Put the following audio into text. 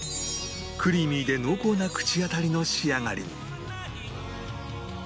クリーミーで濃厚な口当たりの仕上がり